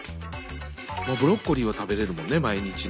ブロッコリーは食べれるもんね毎日ね。